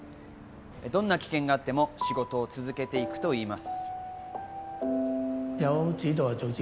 どんな危険があっても仕事を続けていくといいます。